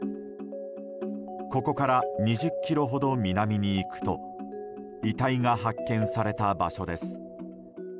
ここから２０ｋｍほど南に行くと遺体が発見された場所です。